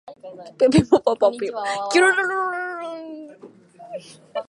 きゅるるるるるるるるんんんんんん